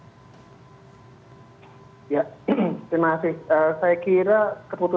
saya kira keputusannya yang diambil oleh mas nugi